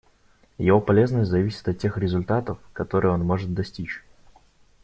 Его полезность зависит от тех результатов, которых он может достичь.